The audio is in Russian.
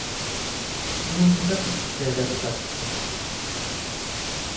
Но нас никак не впечатляет эта тактика.